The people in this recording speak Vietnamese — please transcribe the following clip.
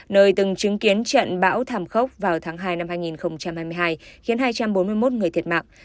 nơi từng chứng kiến trận bão thảm khốc vào tháng hai năm hai nghìn hai mươi hai khiến hai trăm bốn mươi một người thiệt mạng